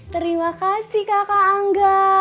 terima kasih kakak angga